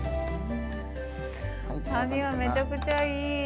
ハニワめちゃくちゃいい！